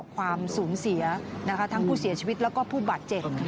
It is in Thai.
ความสูญเสียทั้งผู้เสียชีวิตแล้วก็ผู้บาดเจ็บ